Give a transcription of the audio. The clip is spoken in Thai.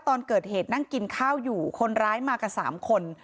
ตอนเกิดเหตุนั่งกินข้าวอยู่คนร้ายมากัน๓คน